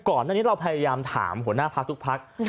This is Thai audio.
ก่อนหน้านี้เราพยายามถามหัวหน้าพักทุกพัก